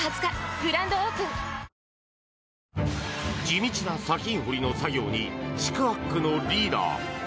地道な砂金掘りの作業に四苦八苦のリーダー。